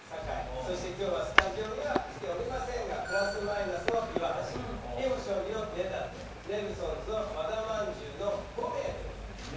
そして今日はスタジオには来ておりませんがプラス・マイナスの岩橋囲碁将棋の根建ネルソンズの和田まんじゅうの５名でございます。